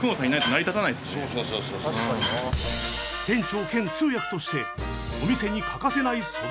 店長兼通訳としてお店に欠かせない存在。